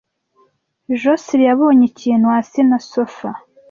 Josehl yabonye ikintu hasi na sofa.